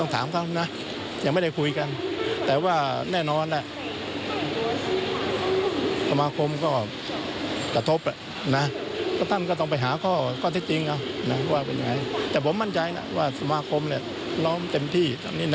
แต่ผมมั่นใจนะว่าสมาคมล้อมเต็มที่